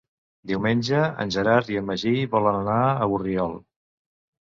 Diumenge en Gerard i en Magí volen anar a Borriol.